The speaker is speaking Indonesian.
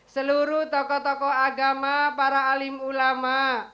seluruh tokoh tokoh agama para alim ulama